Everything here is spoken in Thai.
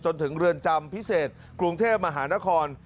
จนถึงเรือนจำพิเศษกรุงเทพมหานคร